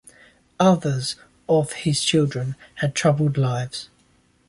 Others of his children had troubled lives.